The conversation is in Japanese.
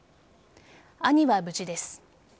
兄は無事です。